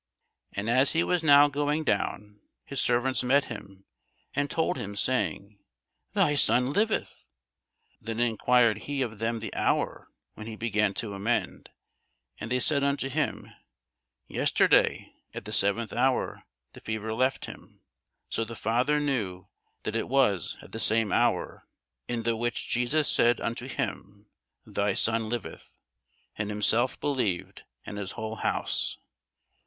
And as he was now going down, his servants met him, and told him, saying, Thy son liveth. Then enquired he of them the hour when he began to amend. And they said unto him, Yesterday at the seventh hour the fever left him. So the father knew that it was at the same hour, in the which Jesus said unto him, Thy son liveth: and himself believed, and his whole house.